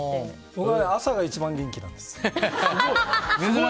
俺は朝が一番元気なんです。